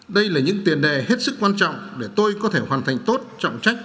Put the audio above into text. đây là những tiền đề hết sức quan trọng để tôi có thể hoàn thành tốt trọng trách